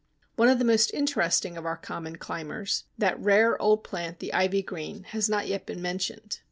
One of the most interesting of our common climbers, "that rare old plant the Ivy green," has not yet been mentioned.